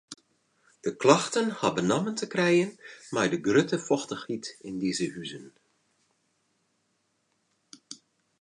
De klachten ha benammen te krijen mei de grutte fochtichheid yn dizze huzen.